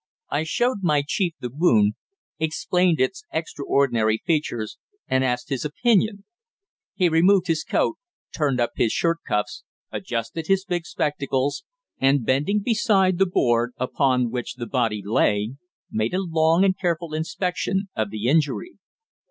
I showed my chief the wound, explained its extraordinary features, and asked his opinion. He removed his coat, turned up his shirt cuffs, adjusted his big spectacles, and, bending beside the board upon which the body lay, made a long and careful inspection of the injury.